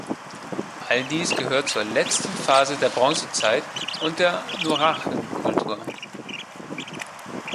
All dies gehört zur letzten Phase der Bronzezeit und der Nuraghenkultur.